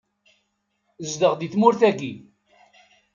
Zdeɣ di tmurt-agi.